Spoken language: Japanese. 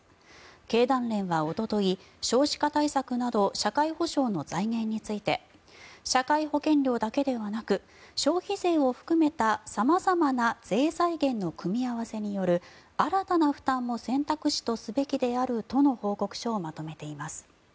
経団連はおととい少子化対策など社会保障の財源について社会保険料だけではなく消費税を含めた様々な税財源の組み合わせによる新たな負担も選択肢とすべきであるとの報告書をまとめています。